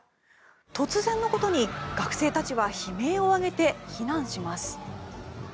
突然のことに、学生たちは悲鳴を上げて避難します。